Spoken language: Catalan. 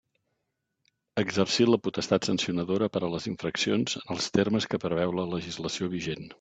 Exercir la potestat sancionadora per a les infraccions en els termes que preveu la legislació vigent.